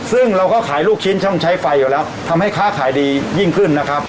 ซึ่งเราก็ขายลูกชิ้นช่องใช้ไฟอยู่แล้วทำให้ค้าขายดียิ่งขึ้นนะครับ